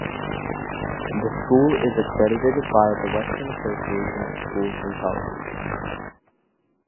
The school is accredited by the Western Association of Schools and Colleges.